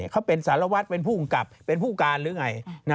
เขาเป็นสารวัตรเป็นผู้กำกับเป็นผู้การหรือไง